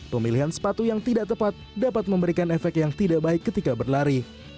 pemilihan sepatu yang tidak tepat dapat memberikan efek yang tidak baik ketika berlari